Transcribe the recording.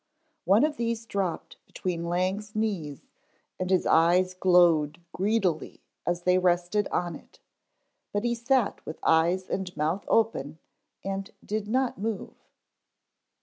One of these dropped between Lang's knees and his eyes glowed greedily as they rested on it, but he sat with eyes and mouth open and did not move.